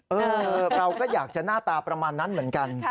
เออเราก็อยากจะหน้าตาประมาณนั้นเหมือนกัน